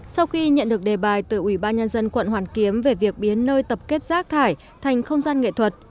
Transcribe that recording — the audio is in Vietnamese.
sau khi nhận được đề bài từ ủy ban nhân dân quận hoàn kiếm về việc biến nơi tập kết rác thải thành không gian nghệ thuật